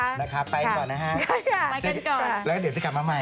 หมดแล้วนะคะไปก่อนนะฮะไปกันก่อนแล้วก็เดี๋ยวจะกลับมาใหม่